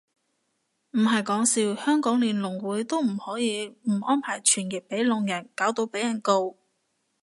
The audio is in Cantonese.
唔係講笑，香港連聾會都可以唔安排傳譯俾聾人，搞到被人告